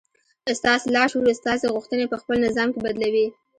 ستاسې لاشعور ستاسې غوښتنې پهخپل نظام کې بدلوي